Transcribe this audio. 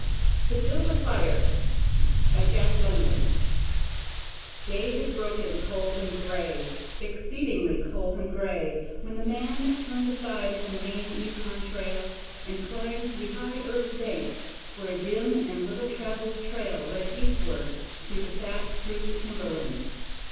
TO BUILD A FIRE Day had broken cold and grey, exceedingly cold and grey, when the man turned aside from the main Yukon trail and climbed the high earth bank, where a dim and little travelled trail led eastward through the fat spruce timberland.